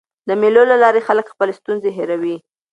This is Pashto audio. د مېلو له لاري خلک خپلي ستونزي هېروي.